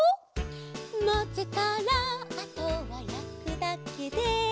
「まぜたらあとはやくだけで」